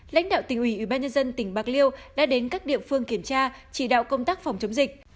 lãnh đạo tỉnh ủy ubnd tỉnh bạc liêu đã đến các địa phương kiểm tra chỉ đạo công tác phòng chống dịch